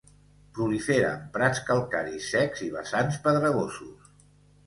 Prolifera en prats calcaris secs i vessants pedregosos.